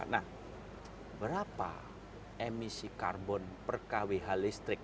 nah berapa emisi karbon per kwh listrik